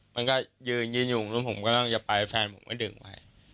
มันก็ยืนยืนอยู่นู้นผมกำลังจะไปแฟนผมก็ดึงไว้